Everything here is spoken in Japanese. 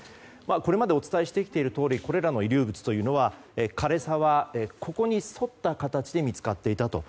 これまでお伝えしてきているとおりこれらの遺留物は枯れ沢、ここに沿った形で見つかったと。